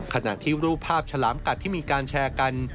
ขณะที่รูปภาพฉลามกัดที่มีการแชร์กัน